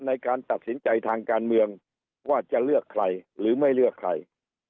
ในการตัดสินใจทางการเมืองว่าจะเลือกใครหรือไม่เลือกใคร